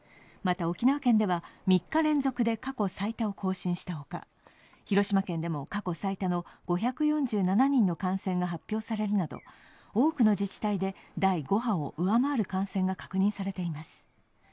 また、沖縄県では３日連続で過去最多を更新したほか、広島県でも過去最多の５４７人の感染が発表されるなど、多くの自治体で第５波を上回る感染が確認されています。